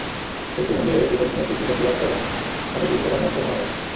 দুটি মন্দিরেই পৃথক দিনে শ্রী শ্রী চণ্ডীপাঠ করেন স্বামী বিবোধানন্দ মহারাজ।